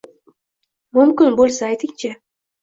Mumkin bo’lsa aytingchi